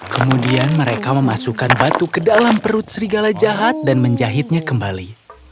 kemudian mereka memasukkan batu ke dalam perut serigala jahat dan menjahitnya kembali